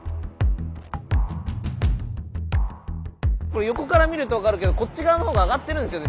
これ横から見ると分かるけどこっち側の方が上がってるんですよね